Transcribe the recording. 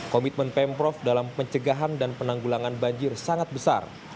komitmen pemprov dalam pencegahan dan penanggulangan banjir sangat besar